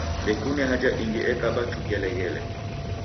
Ndekune haja ingi ekaba chukeleghele.